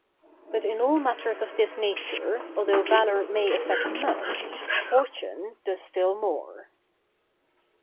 But in all matters of this nature, although valor may effect much, fortune does still more.